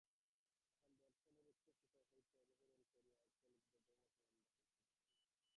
এখন দর্শনের উচ্চ শিখর হইতে অবরোহণ করিয়া অজ্ঞলোকেদের ধর্ম সম্বন্ধে আলোচনা করি।